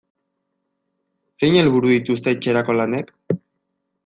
Zein helburu dituzte etxerako lanek?